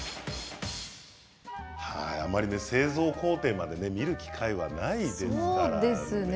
あまり製造工程まで見る機会がないですからね。